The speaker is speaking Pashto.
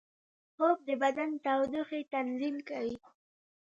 خوب د بدن تودوخې تنظیم کوي